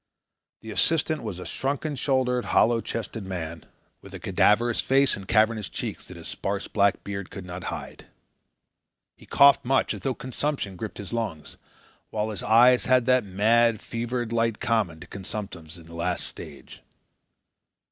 The assistant was a shrunken shouldered, hollow chested man, with a cadaverous face and cavernous cheeks that his sparse black beard could not hide. He coughed much, as though consumption gripped his lungs, while his eyes had that mad, fevered light common to consumptives in the last stage.